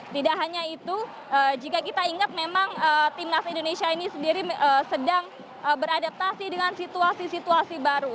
tidak hanya itu jika kita ingat memang timnas indonesia ini sendiri sedang beradaptasi dengan situasi situasi baru